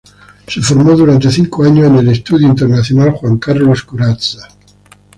Se formó durante cinco años en el Estudio Internacional Juan Carlos Corazza.